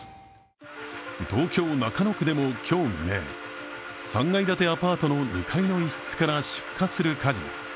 東京・中野区でも今日未明、３階建てアパートの２階の一室から出火する火事が。